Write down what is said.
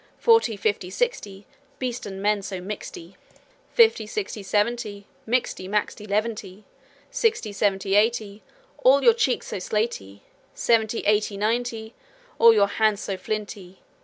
Forty, fifty, sixty Beast and man so mixty! 'Fifty, sixty, seventy Mixty, maxty, leaventy! Sixty, seventy, eighty All your cheeks so slaty! 'Seventy, eighty, ninety, All your hands so flinty!